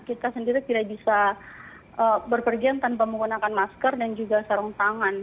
kita sendiri tidak bisa berpergian tanpa menggunakan masker dan juga sarung tangan